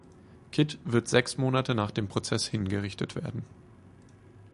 Kit wird sechs Monate nach dem Prozess hingerichtet werden.